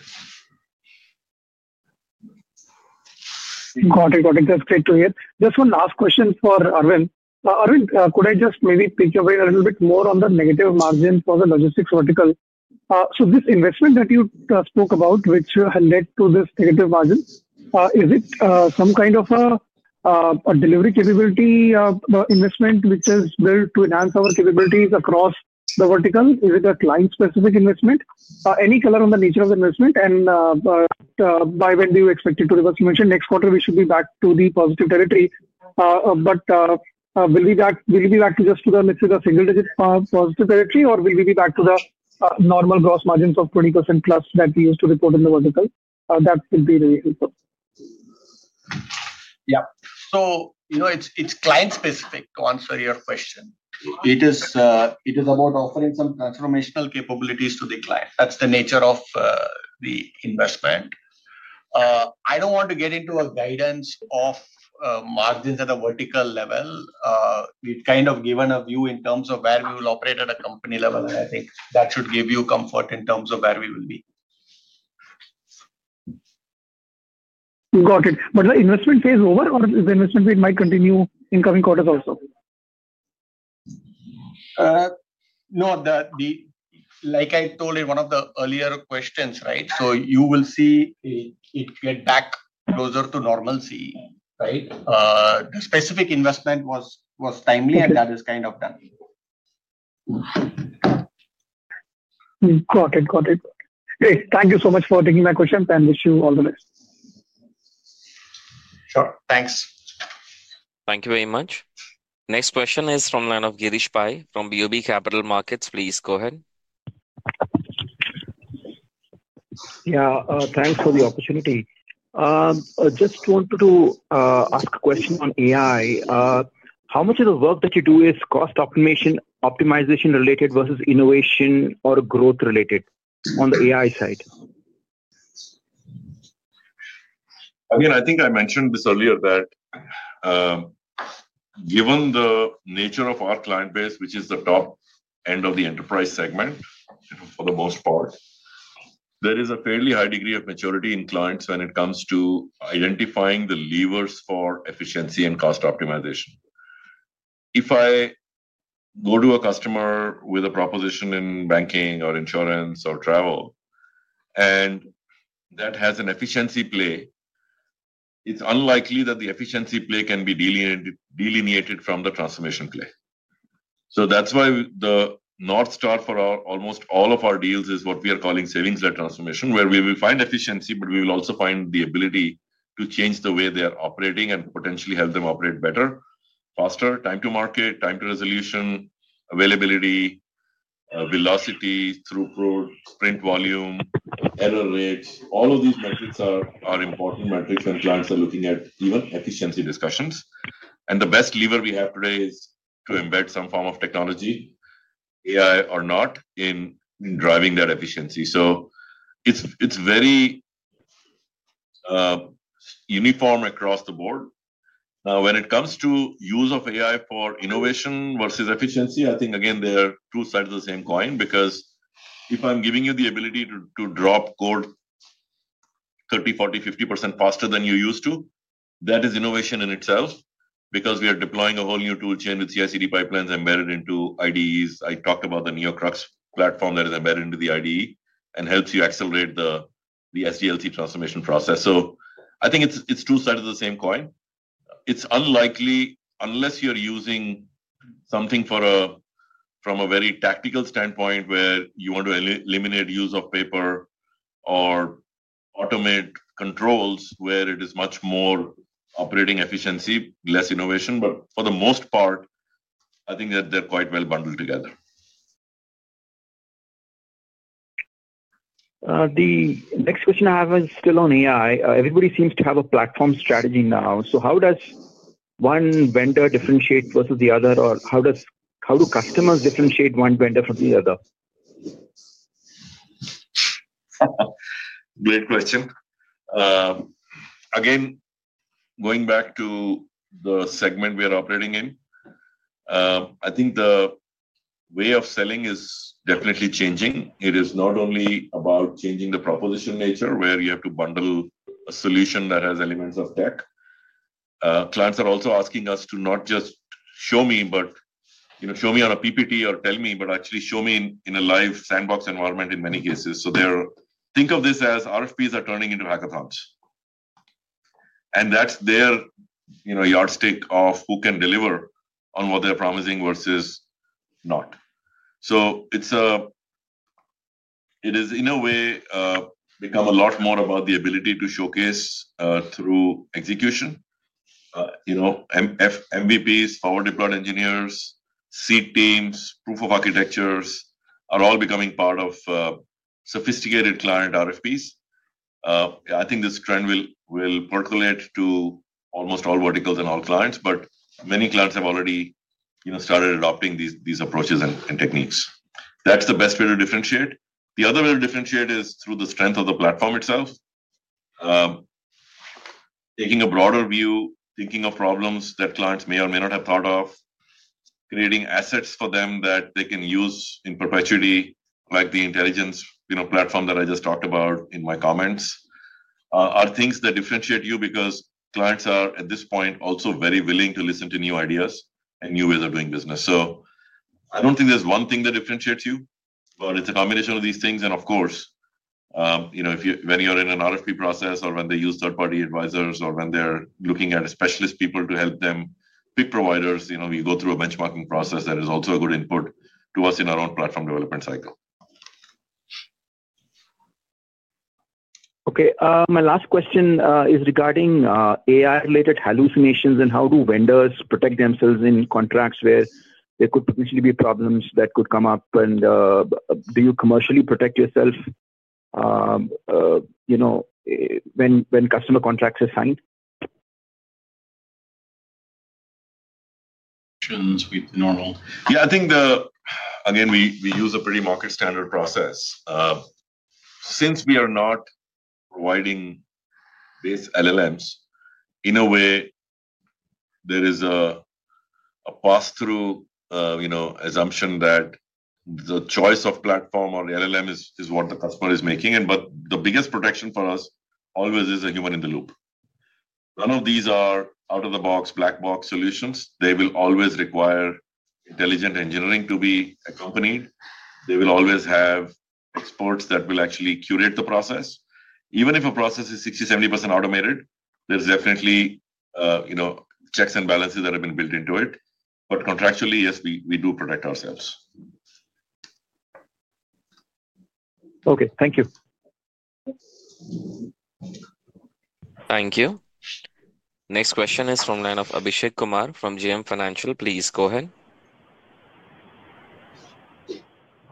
Got it. Got it. That's great to hear. Just one last question for Aravind. Aravind, could I just maybe pick your way a little bit more on the negative margin for the logistics vertical? This investment that you spoke about, which led to this negative margin, is it some kind of a delivery capability investment which is built to enhance our capabilities across the vertical? Is it a client-specific investment? Any color on the nature of the investment? By when do you expect it to be? As you mentioned, next quarter, we should be back to the positive territory. Will we be back just to the, let's say, the single-digit positive territory, or will we be back to the normal gross margins of 20% plus that we used to report in the vertical? That would be really helpful. Yeah. It's client-specific, to answer your question. It is about offering some transformational capabilities to the client. That's the nature of the investment. I don't want to get into a guidance of margins at a vertical level. We've kind of given a view in terms of where we will operate at a company level, and I think that should give you comfort in terms of where we will be. Got it. Is the investment phase over, or is the investment phase might continue in coming quarters also? No. Like I told in one of the earlier questions, right? You will see it get back closer to normalcy, right? The specific investment was timely, and that is kind of done. Got it. Got it. Great. Thank you so much for taking my questions, and wish you all the best. Sure. Thanks. Thank you very much. Next question is from the line of Girish Pai from BOB Capital Markets. Please go ahead. Yeah. Thanks for the opportunity. Just wanted to ask a question on AI. How much of the work that you do is cost optimization related versus innovation or growth related on the AI side? Again, I think I mentioned this earlier. Given the nature of our client base, which is the top end of the enterprise segment for the most part, there is a fairly high degree of maturity in clients when it comes to identifying the levers for efficiency and cost optimization. If I go to a customer with a proposition in banking or insurance or travel that has an efficiency play, it's unlikely that the efficiency play can be delineated from the transformation play. That's why the North Star for almost all of our deals is what we are calling savings-led transformation, where we will find efficiency, but we will also find the ability to change the way they are operating and potentially help them operate better, faster, time to market, time to resolution, availability, velocity, throughput, sprint volume, error rates. All of these metrics are important metrics, and clients are looking at even efficiency discussions. The best lever we have today is to embed some form of technology, AI or not, in driving that efficiency. It's very uniform across the board. Now, when it comes to use of AI for innovation versus efficiency, I think, again, there are two sides of the same coin because if I'm giving you the ability to drop code 30%, 40%, 50% faster than you used to, that is innovation in itself because we are deploying a whole new toolchain with CI/CD pipelines embedded into IDEs. I talked about the NeoCrux platform that is embedded into the IDE and helps you accelerate the SDLC transformation process. I think it's two sides of the same coin. It's unlikely unless you're using something from a very tactical standpoint where you want to eliminate use of paper or automate controls where it is much more operating efficiency, less innovation. For the most part, I think that they're quite well bundled together. The next question I have is still on AI. Everybody seems to have a platform strategy now. How does one vendor differentiate versus the other, or how do customers differentiate one vendor from the other? Great question. Again, going back to the segment we are operating in, I think the way of selling is definitely changing. It is not only about changing the proposition nature where you have to bundle a solution that has elements of tech. Clients are also asking us to not just show me, or "Show me on a PPT," or, "Tell me," but actually show me in a live sandbox environment in many cases. Think of this as RFPs are turning into hackathons, and that's their yardstick of who can deliver on what they're promising versus not. It has, in a way, become a lot more about the ability to showcase through execution. MVPs, power-deployed engineers, seed teams, proof of architectures are all becoming part of sophisticated client RFPs. I think this trend will percolate to almost all verticals and all clients, but many clients have already started adopting these approaches and techniques. That's the best way to differentiate. The other way to differentiate is through the strength of the platform itself, taking a broader view, thinking of problems that clients may or may not have thought of, creating assets for them that they can use in perpetuity, like the intelligence platform that I just talked about in my comments. These are things that differentiate you because clients are, at this point, also very willing to listen to new ideas and new ways of doing business. I don't think there's one thing that differentiates you, but it's a combination of these things. Of course, when you're in an RFP process or when they use third-party advisors or when they're looking at specialist people to help them pick providers, we go through a benchmarking process that is also a good input to us in our own platform development cycle. Okay. My last question is regarding AI-related hallucinations and how do vendors protect themselves in contracts where there could potentially be problems that could come up? Do you commercially protect yourself when customer contracts are signed? Yeah. I think, again, we use a pretty market-standard process. Since we are not providing base LLMs, in a way, there is a pass-through assumption that the choice of platform or LLM is what the customer is making. The biggest protection for us always is a human in the loop. None of these are out-of-the-box, black-box solutions. They will always require intelligent engineering to be accompanied. They will always have experts that will actually curate the process. Even if a process is 60%, 70% automated, there's definitely checks and balances that have been built into it. Contractually, yes, we do protect ourselves. Okay. Thank you. Thank you. Next question is from the line of Abhishek Kumar from JM Financial. Please go ahead.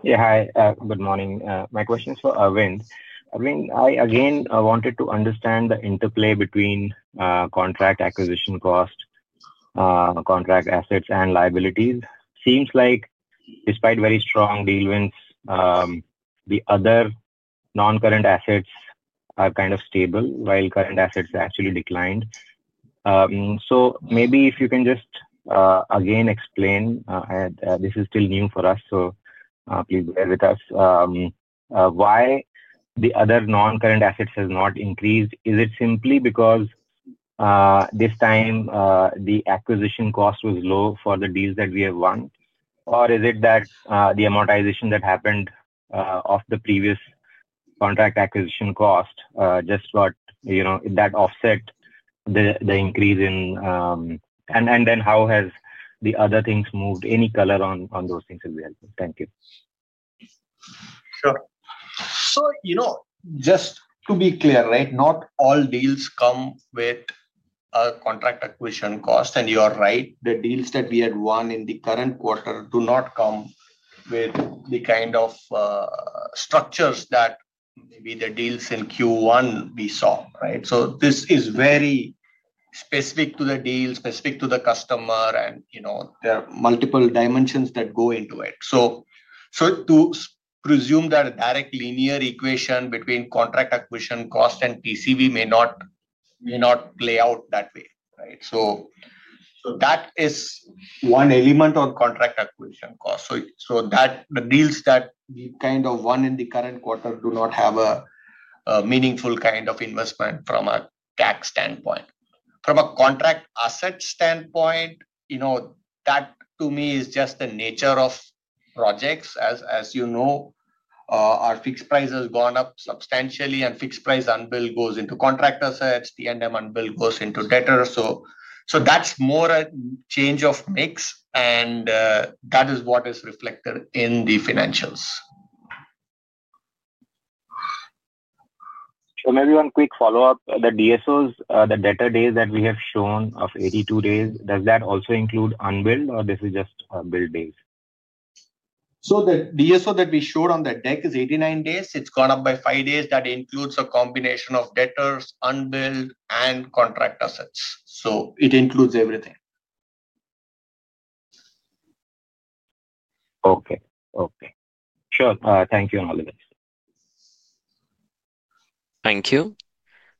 Yeah. Hi. Good morning. My question is for Aravind. Aravind, I again wanted to understand the interplay between contract acquisition cost. Contract assets and liabilities. Seems like, despite very strong deal wins, the other non-current assets are kind of stable while current assets actually declined. Maybe if you can just explain—this is still new for us, so please bear with us—why the other non-current assets have not increased. Is it simply because this time the acquisition cost was low for the deals that we have won? Is it that the amortization that happened off the previous contract acquisition cost just offset the increase in— How have the other things moved? Any color on those things will be helpful. Thank you. Sure. Just to be clear, not all deals come with a contract acquisition cost. You are right, the deals that we had won in the current quarter do not come with the kind of structures that maybe the deals in Q1 we saw. This is very specific to the deal, specific to the customer, and there are multiple dimensions that go into it. To presume that a direct linear equation between contract acquisition cost and TCV may not play out that way. That is one element of contract acquisition cost. The deals that we kind of won in the current quarter do not have a meaningful kind of investment from a tax standpoint. From a contract asset standpoint, that, to me, is just the nature of projects. As you know, our fixed price has gone up substantially, and fixed price unbilled goes into contract assets. T&M unbilled goes into debtors. That is more a change of mix, and that is what is reflected in the financials. Maybe one quick follow-up. The DSOs, the debtor days that we have shown of 82 days, does that also include unbilled, or is this just billed days? The DSO that we showed on the deck is 89 days. It's gone up by five days. That includes a combination of debtors, unbilled, and contract assets. It includes everything. Okay. Thank you on all of this. Thank you.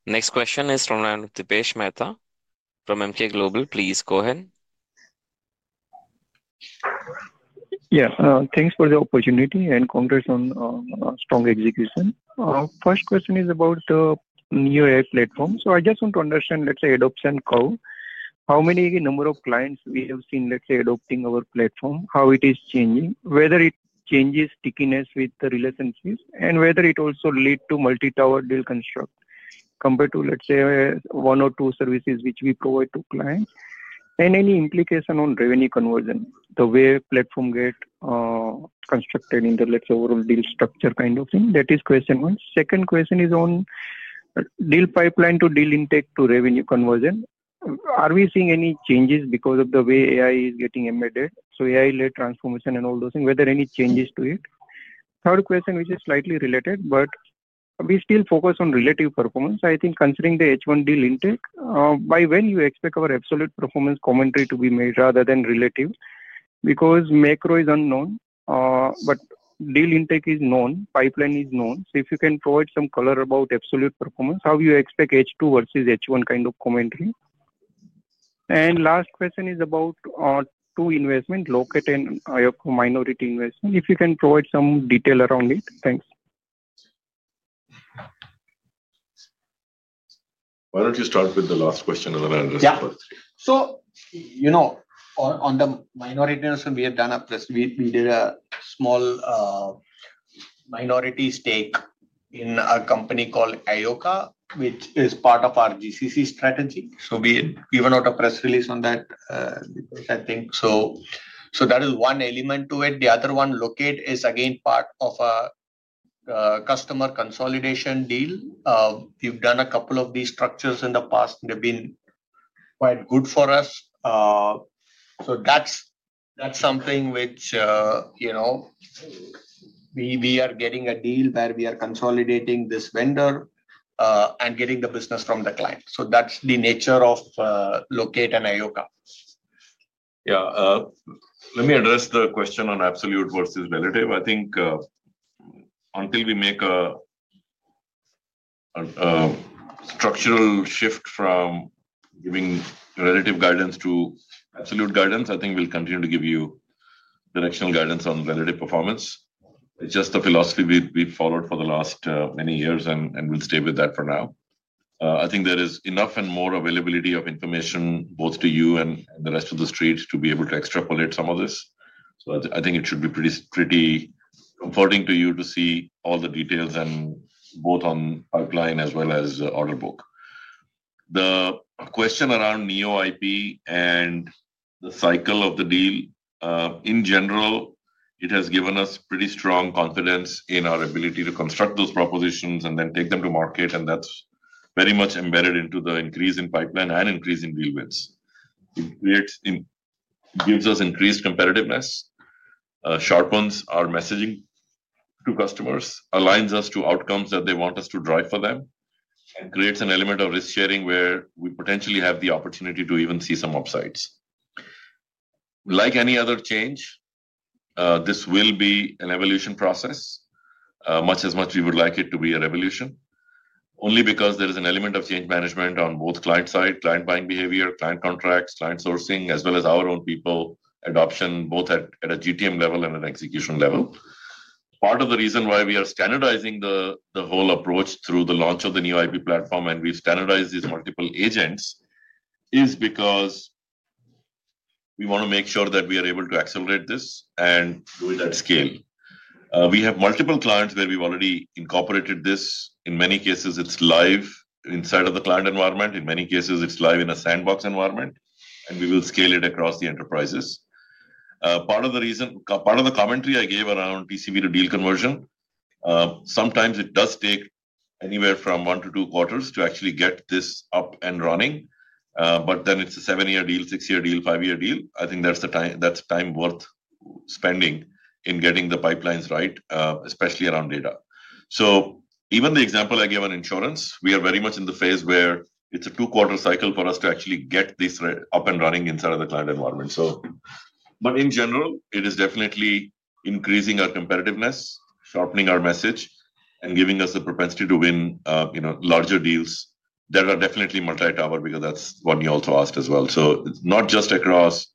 Next question is from Dipesh Mehta from Emkay Global. Please go ahead. Yeah. Thanks for the opportunity and congrats on strong execution. First question is about the new AI platform. I just want to understand, let's say, adoption curve. How many number of clients we have seen, let's say, adopting our platform, how it is changing, whether it changes stickiness with the relationships, and whether it also leads to multi-tower deal construct compared to, let's say, one or two services which we provide to clients, and any implication on revenue conversion, the way platform get constructed in the, let's say, overall deal structure kind of thing. That is question one. Second question is on deal pipeline to deal intake to revenue conversion. Are we seeing any changes because of the way AI is getting embedded, so AI-led transformation and all those things? Were there any changes to it? Third question, which is slightly related, but we still focus on relative performance. I think considering the H1 deal intake, by when you expect our absolute performance commentary to be made rather than relative? Because macro is unknown, but deal intake is known. Pipeline is known. If you can provide some color about absolute performance, how do you expect H2 versus H1 kind of commentary? Last question is about two investments, Locate and iOCO minority investment. If you can provide some detail around it, thanks. Why don't you start with the last question and then I'll respond? Yeah. On the minority investment, we did a small minority stake in a company called iOCO, which is part of our GCC strategy. We went out a press release on that. I think that is one element to it. The other one, Locate, is again part of a customer consolidation deal. We've done a couple of these structures in the past, and they've been quite good for us. That's something which we are getting a deal where we are consolidating this vendor and getting the business from the client. That's the nature of [Locate] and iOCO. Yeah. Let me address the question on absolute versus relative. I think until we make a structural shift from giving relative guidance to absolute guidance, we'll continue to give you directional guidance on relative performance. It's just the philosophy we've followed for the last many years, and we'll stay with that for now. I think there is enough and more availability of information both to you and the rest of the street to be able to extrapolate some of this. I think it should be pretty comforting to you to see all the details both on pipeline as well as the order book. The question around NeoIP and the cycle of the deal, in general, it has given us pretty strong confidence in our ability to construct those propositions and then take them to market. That's very much embedded into the increase in pipeline and increase in deal wins. It gives us increased competitiveness, sharpens our messaging to customers, aligns us to outcomes that they want us to drive for them, and creates an element of risk-sharing where we potentially have the opportunity to even see some upsides. Like any other change, this will be an evolution process, much as much as we would like it to be a revolution, only because there is an element of change management on both client-side, client buying behavior, client contracts, client sourcing, as well as our own people adoption both at a GTM level and an execution level. Part of the reason why we are standardizing the whole approach through the launch of the NeoIP platform and we've standardized these multiple agents is because we want to make sure that we are able to accelerate this and do it at scale. We have multiple clients where we've already incorporated this. In many cases, it's live inside of the client environment. In many cases, it's live in a sandbox environment, and we will scale it across the enterprises. Part of the commentary I gave around TCV to deal conversion, sometimes it does take anywhere from one to two quarters to actually get this up and running, but then it's a seven-year deal, six-year deal, five-year deal. I think that's time worth spending in getting the pipelines right, especially around data. Even the example I gave on insurance, we are very much in the phase where it's a two-quarter cycle for us to actually get this up and running inside of the client environment. In general, it is definitely increasing our competitiveness, sharpening our message, and giving us the propensity to win larger deals that are definitely multi-tower because that's what you also asked as well. It's not just across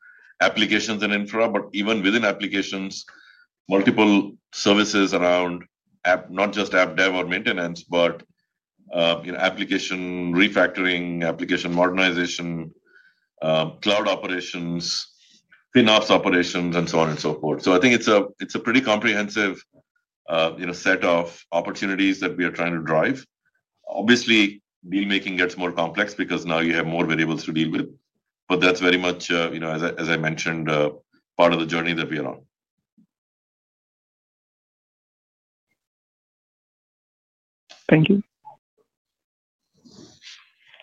applications and infra, but even within applications, multiple services around, not just app dev or maintenance, but application refactoring, application modernization, cloud operations, FinOps operations, and so on and so forth. I think it's a pretty comprehensive set of opportunities that we are trying to drive. Obviously, deal-making gets more complex because now you have more variables to deal with, but that's very much, as I mentioned, part of the journey that we are on. Thank you.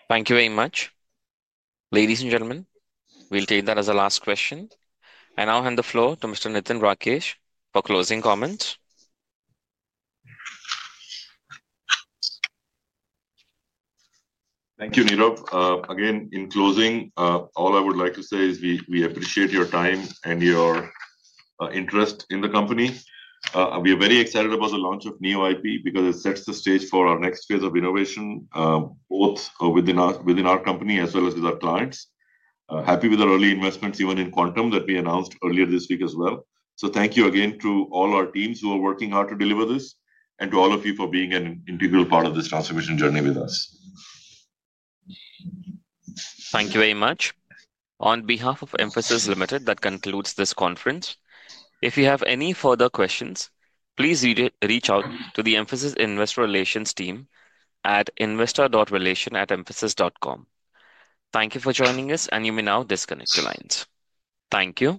Thank you very much. Ladies and gentlemen, we'll take that as a last question. I'll hand the floor to Mr. Nitin Rakesh for closing comments. Thank you, Nirav. Again, in closing, all I would like to say is we appreciate your time and your interest in the company. We are very excited about the launch of NeoIP because it sets the stage for our next phase of innovation, both within our company as well as with our clients. Happy with our early investments, even in Quantum, that we announced earlier this week as well. Thank you again to all our teams who are working hard to deliver this and to all of you for being an integral part of this transformation journey with us. Thank you very much. On behalf of Mphasis Limited, that concludes this conference. If you have any further questions, please reach out to the Mphasis Investor Relations team at investor.relation@mphasis.com. Thank you for joining us, and you may now disconnect your lines. Thank you.